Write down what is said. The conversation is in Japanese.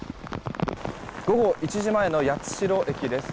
午後１時前の八代駅です。